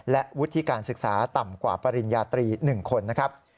และวุฒิการศึกษาต่ำกว่าปริญญาตรี๑คนนะครับ